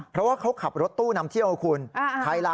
เพราะว่าเขาขับรถตู้นำเที่ยวครับคุณ